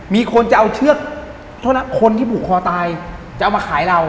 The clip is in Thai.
มีคนที่ผูกคอตายจะเอามาขายเรา